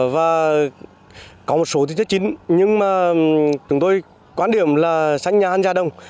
và có một số thứ chất chín nhưng mà tụi tôi quan điểm là xanh nhà hơn già đồng